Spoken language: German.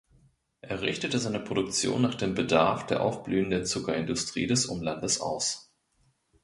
Er richtete seine Produktion nach dem Bedarf der aufblühenden Zuckerindustrie des Umlandes aus.